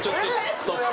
ストップ。